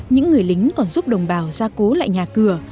những người lính còn giúp đồng bào gia cố lại nhà cửa